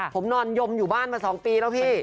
ผมนอนยมอยู่บ้านมา๒ปีแล้วพี่